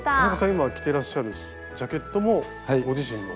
今着てらっしゃるジャケットもご自身の？